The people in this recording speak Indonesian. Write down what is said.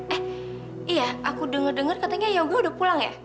eh iya aku denger denger katanya yogu udah pulang ya